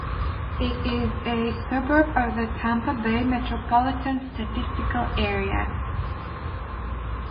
It is a suburb of the Tampa Bay Metropolitan Statistical Area.